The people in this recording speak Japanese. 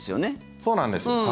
そうなんです。